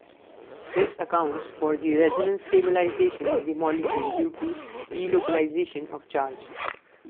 This accounts for the resonance stabilization of the molecule due to delocalization of charge.